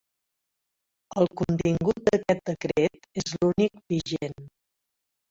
El contingut d'aquest decret és l'únic vigent.